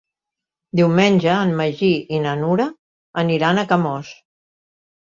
Diumenge en Magí i na Nura aniran a Camós.